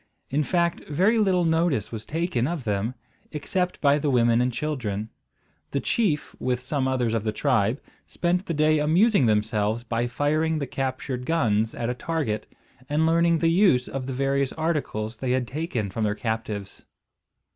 In fact very little notice was taken of them, except by the women and children. The chief with some others of the tribe spent the day amusing themselves by firing the captured guns at a target, and learning the use of the various articles they had taken from their captives.